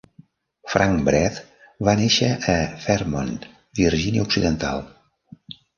Frank Breth va néixer a Fairmont, Virgínia Occidental.